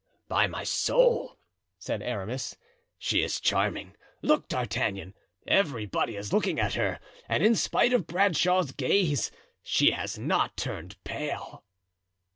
"By my soul," said Aramis, "she is charming. Look D'Artagnan; everybody is looking at her; and in spite of Bradshaw's gaze she has not turned pale."